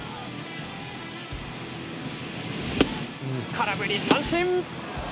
空振り三振！